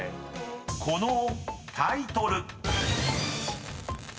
［このタイトル］